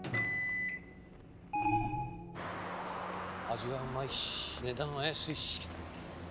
味はうまいし値段は安いし。